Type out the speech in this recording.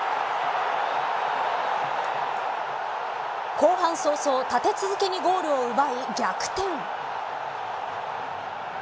後半早々、立て続けにゴールを奪い、逆転。